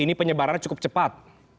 ini penyebaran cukup cepat